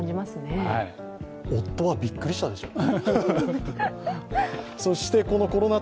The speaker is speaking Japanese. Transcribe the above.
夫はびっくりしたでしょうね。